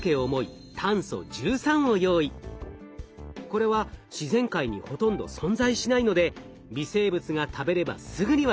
これは自然界にほとんど存在しないので微生物が食べればすぐにわかります。